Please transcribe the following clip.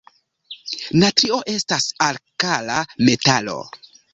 Natrio estas alkala metalo.